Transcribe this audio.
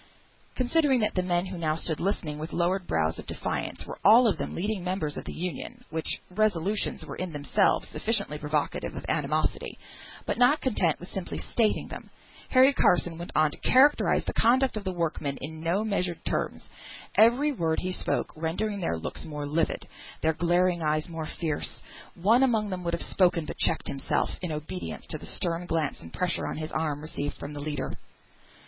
Considering that the men who now stood listening with lowering brows of defiance were all of them leading members of the Union, such resolutions were in themselves sufficiently provocative of animosity: but not content with simply stating them, Harry Carson went on to characterise the conduct of the workmen in no measured terms; every word he spoke rendering their looks more livid, their glaring eyes more fierce. One among them would have spoken, but checked himself in obedience to the stern glance and pressure on his arm, received from the leader.